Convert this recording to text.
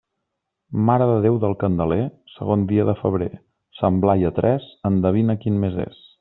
Mare de Déu del Candeler, segon dia de febrer; Sant Blai a tres, endevina quin mes és.